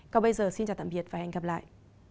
còn bây giờ xin chào tạm biệt và hẹn gặp lại